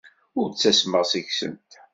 Ur ttasmeɣ seg-sent.